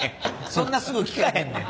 そんなすぐ効かへんねん。